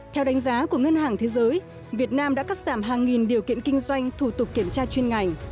theo đánh giá của ngân hàng thế giới việt nam đã cắt giảm hàng nghìn điều kiện kinh doanh thủ tục kiểm tra chuyên ngành